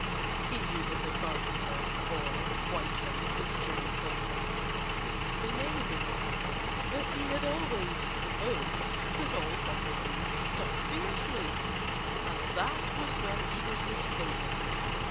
He knew that the Carpenter (or Whiteface, as Johnnie called him) couldn't sting anybody. But he had always supposed that all bumblebees stung fiercely. And that was where he was mistaken.